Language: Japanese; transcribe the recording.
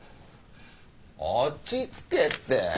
落ち着けって。